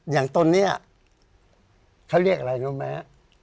อย่างตนนี้เขาเรียกอะไรรู้ไหม